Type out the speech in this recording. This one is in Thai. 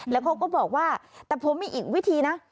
แล้วเขาก็บอกว่าแต่ผมมีอีกวิธีนะ